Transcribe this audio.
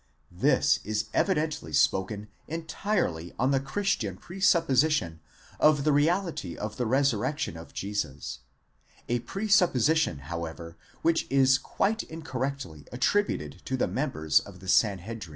This is evidently spoken entirely on the Christian presupposition of the reality of the resurrection of Jesus; a presupposition however which is quite incorrectly attributed to the members of the Sanhedrim.